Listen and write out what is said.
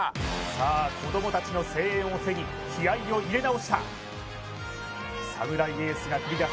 さあ子供達の声援を背に気合いを入れ直したサムライエースが繰り出す